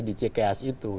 di ckas itu